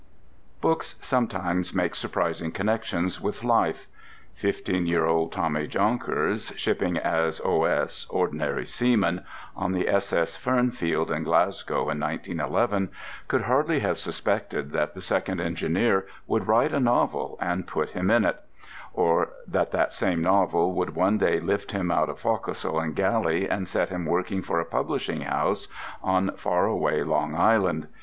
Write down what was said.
Books sometimes make surprising connections with life. Fifteen year old Tommy Jonkers, shipping as O.S. (ordinary seaman) on the S.S. Fernfield in Glasgow in 1911, could hardly have suspected that the second engineer would write a novel and put him in it; or that that same novel would one day lift him out of focsle and galley and set him working for a publishing house on far away Long Island.